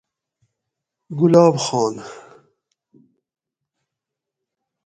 گلاب خان